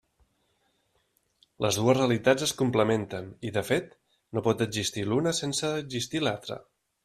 Les dues realitats es complementen i de fet no pot existir l'una sense existir l'altra.